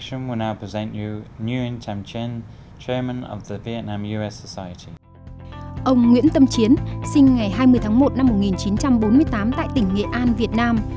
ông nguyễn tâm chiến sinh ngày hai mươi tháng một năm một nghìn chín trăm bốn mươi tám tại tỉnh nghệ an việt nam